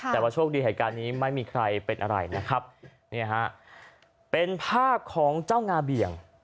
แต่ว่าโชคดีเหตุการณ์นี้ไม่มีใครเป็นอะไรนะครับเนี่ยฮะเป็นภาพของเจ้างาเบี่ยง